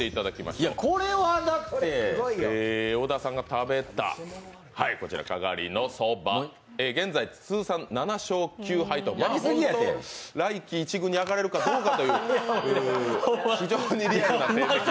いや、これはだって小田さんが食べた、こちら篝のそば、現在通算７勝９敗と、来季１軍に上がれるかどうかという非常にリアルな成績。